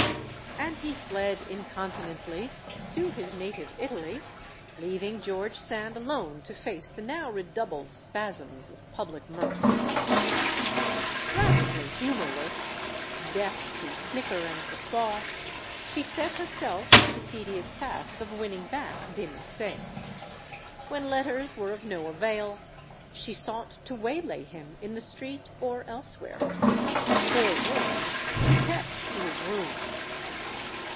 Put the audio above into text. And he fled incontinently to his native Italy, leaving George Sand alone to face the now redoubled spasms of public mirth. 166 STORIES OF THE SUPER WOMEN Tragically humorless, deaf to snicker and guffaw, she set herself to the tedious task of winning back de Musset. When letters were of no avail, she sought to waylay him in the street or elsewhere. Forewarned, he kept to his rooms.